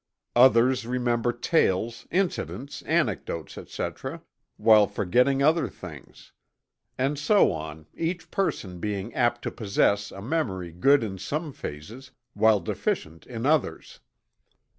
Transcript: Others remember tales, incidents, anecdotes etc., while forgetting other things. And so on, each person being apt to possess a memory good in some phases, while deficient in others.